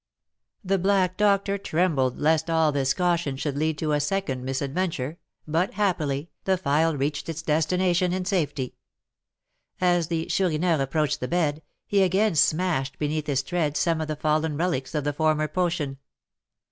The black doctor trembled lest all this caution should lead to a second misadventure, but, happily, the phial reached its destination in safety. As the Chourineur approached the bed, he again smashed beneath his tread some of the fallen relics of the former potion.